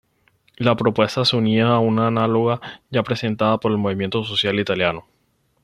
La propuesta se unía a una análoga ya presentada por el Movimiento Social Italiano.